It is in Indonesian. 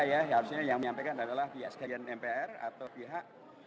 ya harusnya yang menyampaikan adalah pihak sekalian mpr atau pihak